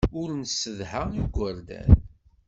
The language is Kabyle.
Ur nessedha igerdan.